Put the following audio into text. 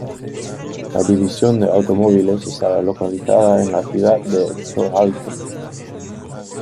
La división de automóviles estaba localizada en la ciudad de Trollhättan.